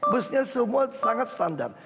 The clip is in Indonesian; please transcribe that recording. busnya semua sangat standar